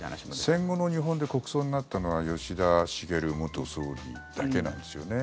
戦後の日本で国葬になったのは吉田茂元総理だけなんですよね。